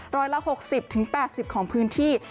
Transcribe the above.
ร้อยละ๖๐๘๐ของพื้นที่